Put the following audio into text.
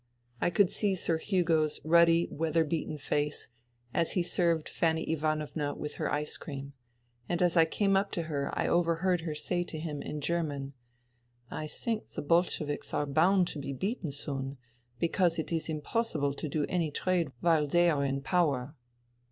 I could see Sir Hugo's ruddy, weather beaten face, as he served Fanny Ivanovna with her ice cream ; and as I came up to her I overheard her say to him in German : "I think the Bolsheviks are bound to be beaten soon because it is impossible to do any trade while they are in power."